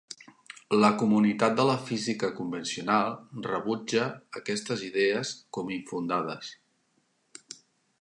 La comunitat de la física convencional rebutja aquestes idees com infundades.